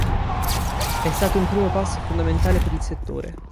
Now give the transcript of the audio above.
È stato un primo passo fondamentale per il settore.